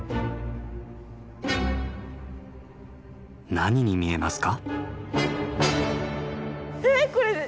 何に見えますか？